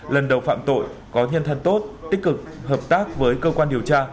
lần đầu phạm tội có nhân thân tốt tích cực hợp tác với cơ quan điều tra